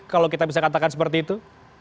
kalau kita bisa katakan seperti itu